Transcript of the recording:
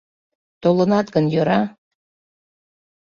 Толынат гын, йӧра...